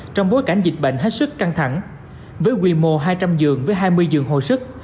trong bối cảnh dịch bệnh hết sức căng thẳng với quy mô hai trăm linh giường với hai mươi giường hồi sức